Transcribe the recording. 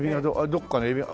どっかにエビが。